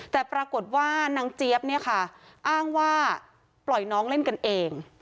แต่ปรากฏว่านางเจี๊ยบเนี่ยค่ะอ้างว่าปล่อยน้องเล่นกันเอง